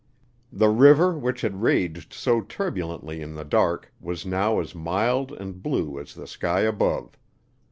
The river which had raged so turbulently in the dark was now as mild and blue as the sky above.